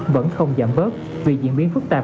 vẫn không giảm bớt vì diễn biến phức tạp